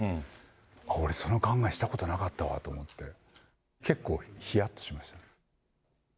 あっ、俺、その考えしたことなかったわと思って、結構、ひやっとしましたね。